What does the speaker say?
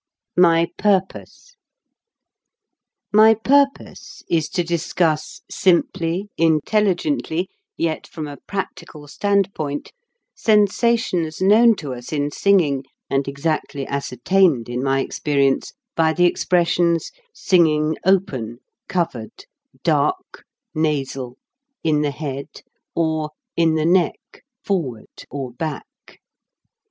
MY PURPOSE MY purpose is to discuss simply, intelligently, yet from a practical standpoint, sensations known to us in singing, and exactly ascertained in my experience, by the expressions "singing open," "covered," "dark," "nasal," "in the head," or "in the neck," "forward," or "back."